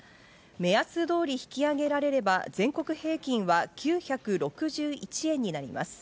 目安通り引き上げられれば、全国平均は９６１円になります。